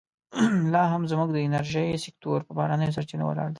لا هم زموږ د انرژۍ سکتور پر بهرنیو سرچینو ولاړ دی.